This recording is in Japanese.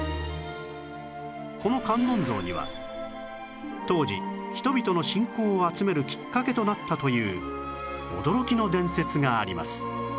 この観音像には当時人々の信仰を集めるきっかけとなったという驚きの伝説があります